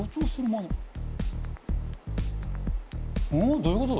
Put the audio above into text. どういうことだ？